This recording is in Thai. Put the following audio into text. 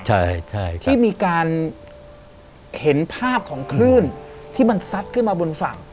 ใช่ใช่ที่มีการเห็นภาพของคลื่นที่มันซัดขึ้นมาบนฝั่ง